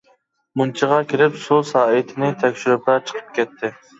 مۇنچىغا كىرىپ سۇ سائىتىنى تەكشۈرۈپلا چىقىپ كەتتى.